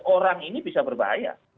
lima belas orang ini bisa berbahaya